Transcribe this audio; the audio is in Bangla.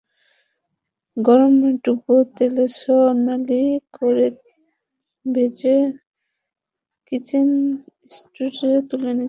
গরম ডুবো তেলে সোনালি করে ভেজে কিচেন টিস্যুতে তুলে নিতে হবে।